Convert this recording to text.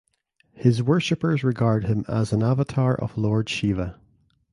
His worshippers regard him as an avatar of Lord Shiva.